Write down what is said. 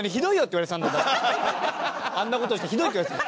あんな事してひどいって言われてた。